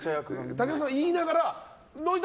武田さんは言いながら泣いた！